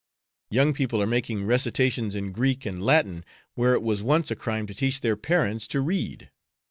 Young people are making recitations in Greek and Latin where it was once a crime to teach their parents to read.